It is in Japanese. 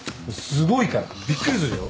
すごいから。びっくりするよ。